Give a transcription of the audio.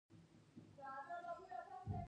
ایا معاصره سیالي هم ورسره ده.